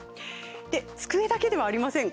机だけではありません。